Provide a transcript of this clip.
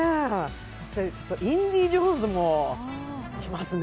そして「インディ・ジョーンズ」もきますね